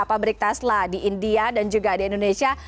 pabrik tesla di india dan juga di indonesia